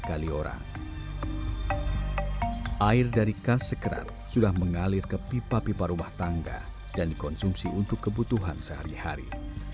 air dari kas sekerat sudah mengalir ke pipa pipa rumah tangga dan dikonsumsi untuk kebutuhan sehari hari